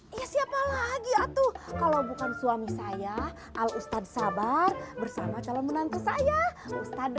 ya siapa lagi atuh kalau bukan suami saya al ustadz sabar bersama calon menantu saya ustadz